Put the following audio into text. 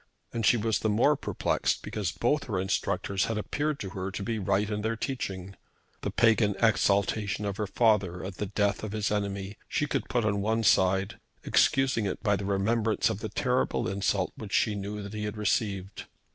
And she was the more perplexed because both her instructors had appeared to her to be right in their teaching. The pagan exaltation of her father at the death of his enemy she could put on one side, excusing it by the remembrance of the terrible insult which she knew that he had received.